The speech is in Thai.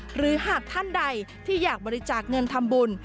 หรือหากท่านใดที่อยากบริจาคเงินทำบุญ